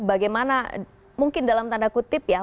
bagaimana mungkin dalam tanda kutip ya